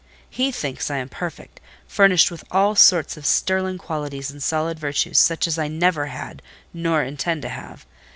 He thinks I am perfect: furnished with all sorts of sterling qualities and solid virtues, such as I never had, nor intend to have.